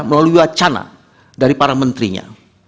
melalui wacana dari para menterinya